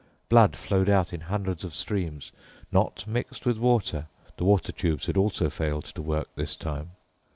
Blood flowed out in hundreds of streams, not mixed with water—the water tubes had also failed to work this time.